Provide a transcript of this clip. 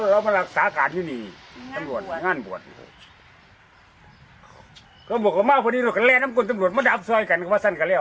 ตำรวจขามากพอดีแล้วก็ก็แร๊ดทำกุญตำรวจมาดับซ้อยกันก็มาสั่นกันแล้ว